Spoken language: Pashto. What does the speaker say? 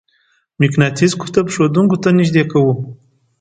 مقناطیس قطب ښودونکې ته نژدې کوو.